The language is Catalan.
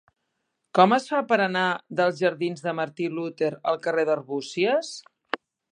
Com es fa per anar dels jardins de Martí Luter al carrer d'Arbúcies?